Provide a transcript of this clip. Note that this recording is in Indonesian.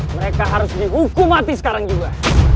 mereka harus dihukumati sekarang juga